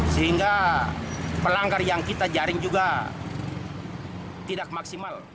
sehingga pelanggar yang kita jaring juga tidak maksimal